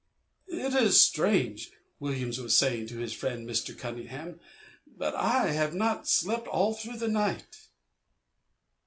"It is strange," Williams was saying to his friend Mr. Cunningham, "but I have not slept all through the night."